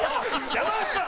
山内さん！